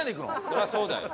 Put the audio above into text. そりゃそうだよ。